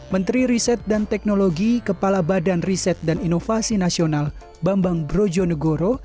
menteri riset dan teknologi kepala badan riset dan inovasi nasional bambang brojonegoro